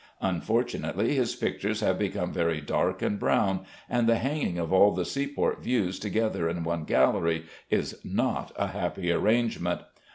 Unfortunately his pictures have become very dark and brown, and the hanging of all the seaport views together in one gallery is not a happy arrangement.